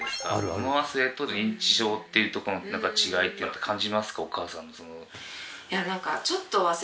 物忘れと認知症っていうとこの何か違いっていうのって感じますか？